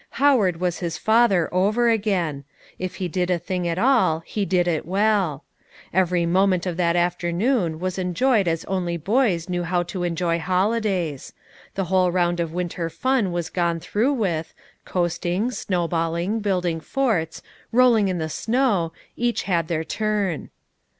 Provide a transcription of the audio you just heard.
Howard was his father over again; if he did a thing at all, he did it well. Every moment of that afternoon was enjoyed as only boys know how to enjoy holidays: the whole round of winter fun was gone through with, coasting, snowballing, building forts, rolling in the snow, each had their turn.